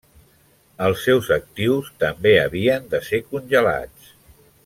Els seus actius també havien de ser congelats.